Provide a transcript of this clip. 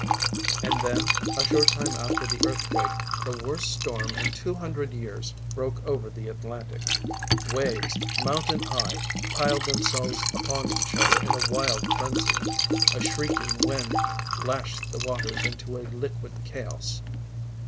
And then, a short time after the earthquake, the worst storm in two hundred years broke over the Atlantic. Waves, mountain high, piled themselves upon each other in a wild frenzy; a shrieking wind lashed the waters into a liquid chaos.